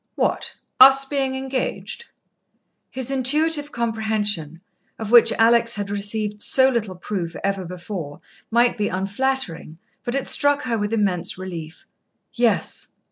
"What, us being engaged?" His intuitive comprehension, of which Alex had received so little proof ever before, might be unflattering, but it struck her with immense relief. "Yes."